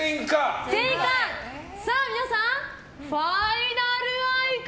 さあ皆さんファイナル愛花？